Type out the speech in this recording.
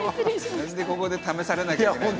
なんでここで試されなきゃいけないんですかね。